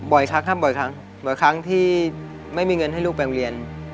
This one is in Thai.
บ่อยครั้งครับบ่อยครั้งบ่อยครั้งที่ไม่มีเงินให้ลูกไปโรงเรียน